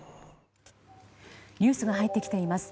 ニュースが入ってきています。